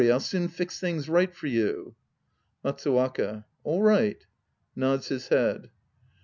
I'll soon fix things right for you. Matsuwaka. All right, {Nods his head.)